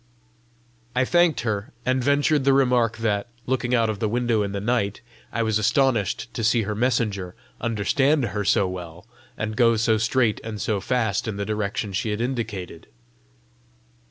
I thanked her, and ventured the remark that, looking out of the window in the night, I was astonished to see her messenger understand her so well, and go so straight and so fast in the direction she had indicated.